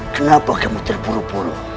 kenapa kamu terburu buru